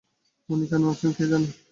উনি কেন আছেন কে জানে।